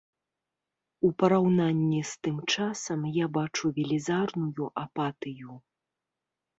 У параўнанні з тым часам я бачу велізарную апатыю.